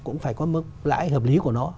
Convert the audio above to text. cũng phải có mức lãi hợp lý của nó